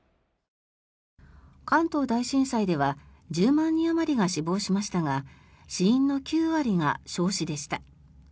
関東大震災では１０万人あまりが死亡しましたが死因の９割が焼死でした。